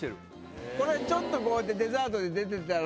ちょっとこうやってデザートで出たら。